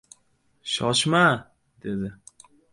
— Shoshma! — dedi.